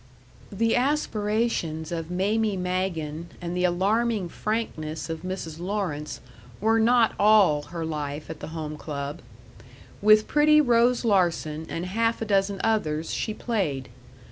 § 4 The aspirations of Mamie Magen and the alarming frankness of Mrs. Lawrence were not all her life at the Home Club. With pretty Rose Larsen and half a dozen others she played.